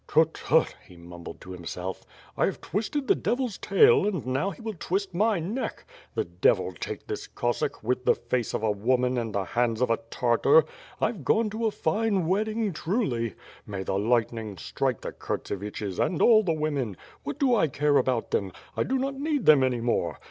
"Tut, tut!" he mumbled to himself, "I have twisted the devil's tail and now he will twist my neck. The devil take this Cossack, with the face of a woman and the hands of a 222 ^^^^ FJ^E ^^'^ SWORD. Tartar! Fve gone to a fine wedding, truly! May the light ning strike the Kurtseviches, and all the women! What do I care about them? 1 do not need them any more!